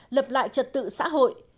lập lại trật tự xã hội